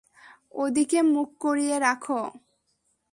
ওদিকে মুখ করিয়ে রাখো।